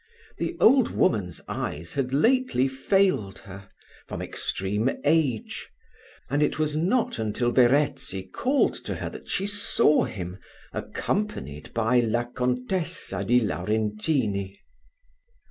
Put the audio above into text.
The old woman's eyes had lately failed her, from extreme age; and it was not until Verezzi called to her that she saw him, accompanied by La Contessa di Laurentini.